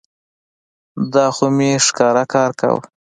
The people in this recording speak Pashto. دا خو مي ښه کار کاوه.